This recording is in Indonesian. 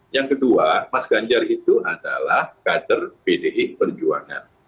yang kedua mas ganjar itu adalah kader pdi perjuangan